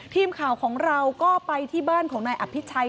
ทีมข่าวของเราก็ไปที่บ้านของนายอภิชัย